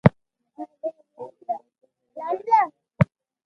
اورو موٽو ھير ڪراچي ھي